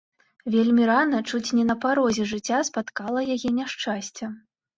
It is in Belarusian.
Вельмі рана, чуць не на парозе жыцця, спаткала яе няшчасце.